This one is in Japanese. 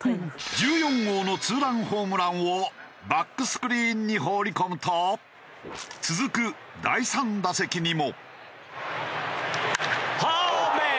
１４号のツーランホームランをバックスクリーンに放り込むと続く第３打席にも。